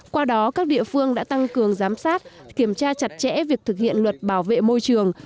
qua đó các địa phương đã tăng cường giám sát kiểm tra chặt chẽ việc thực hiện luật bảo vệ môi trường